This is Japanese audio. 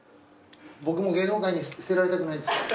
僕も芸能界に捨てられたくない。